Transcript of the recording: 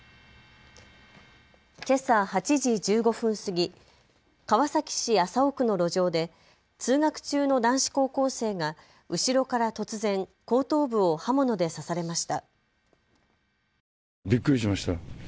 けさ８時１５分過ぎ、川崎市麻生区の路上で通学中の男子高校生が後ろから突然後頭部を刃物で刺されました。